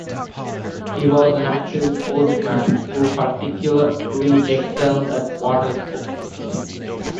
He was an active sportsman who particularly excelled at water sports.